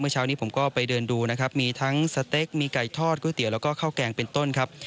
เช้านี้ผมก็ไปเดินดูนะครับมีทั้งสเต็กมีไก่ทอดก๋วยเตี๋ยแล้วก็ข้าวแกงเป็นต้นครับ